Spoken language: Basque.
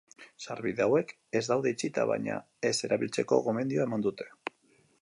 Sarbide hauek ez daude itxita, baina ez erabiltzeko gomendioa eman dute.